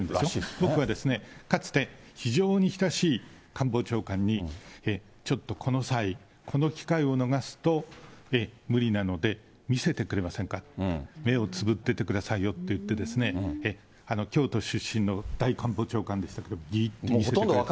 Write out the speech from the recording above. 僕はかつて、非常に親しい官房長官に、ちょっとこの際、この機会を逃すと無理なので、見せてくれませんかって、目をつぶっててくださいよって言ってね、京都出身の大官房長官でしたけれども。